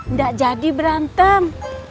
nggak jadi berantem